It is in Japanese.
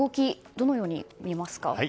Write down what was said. どのように見ますか？